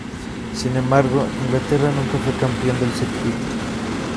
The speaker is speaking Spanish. Sin embargo, Inglaterra nunca fue campeón del circuito.